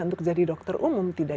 untuk jadi dokter umum tidak